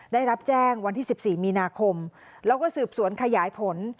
ได้รับแจ้งวันที่๑๔มีนาคมแล้วก็สืบสวนขยายผล